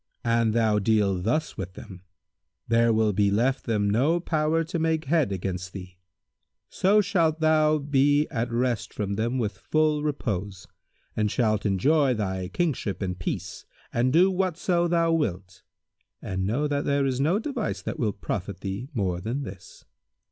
An thou deal thus with them, there will be left them no power to make head against thee; so shalt thou be at rest from them with full repose, and shalt enjoy thy kingship in peace and do whatso thou wilt; and know that there is no device that will profit thee more than this."